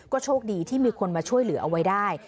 โชคดีที่มีคนมาช่วยเหลือเอาไว้ได้